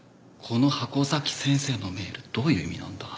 この箱崎先生のメールどういう意味なんだ？